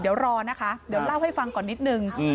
เดี๋ยวรอนะคะเดี๋ยวเล่าให้ฟังก่อนนิดนึง